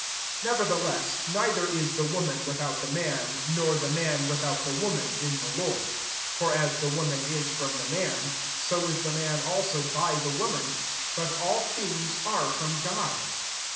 11 Nevertheless, neither is ' the woman "ffithout the man, nor the man without the woman, in the Lord. 12 For as the wo man ia from the man, so ia the man also by the woman : but all things are from God.